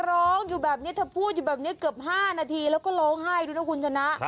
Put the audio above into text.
ร้องอยู่แบบนี้เธอพูดอยู่แบบนี้เกือบ๕นาทีแล้วก็ร้องไห้ด้วยนะคุณชนะ